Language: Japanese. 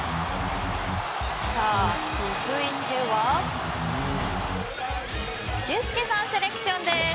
続いては俊輔さんセレクションです。